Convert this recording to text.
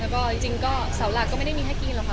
แล้วก็จริงก็เสาหลักก็ไม่ได้มีให้กินหรอกค่ะ